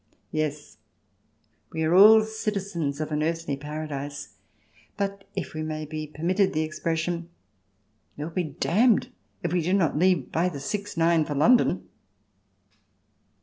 Yes ; we are all citizens of an earthly paradise, but — if we may be permitted the expression — we will be damned if we do not leave by the 6.9 for London.